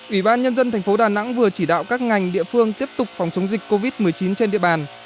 ủy ban nhân dân thành phố đà nẵng vừa chỉ đạo các ngành địa phương tiếp tục phòng chống dịch covid một mươi chín trên địa bàn